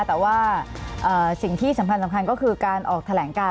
แต่ว่าสิ่งที่สำคัญก็คือการออกแถลงการ